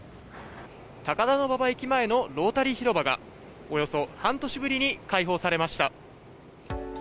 高田馬場駅前のロータリー広場が、およそ半年ぶりに開放されました。